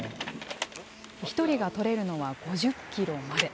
１人が取れるのは５０キロまで。